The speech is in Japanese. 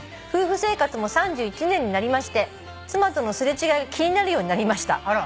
「夫婦生活も３１年になりまして妻との擦れ違いが気になるようになりました」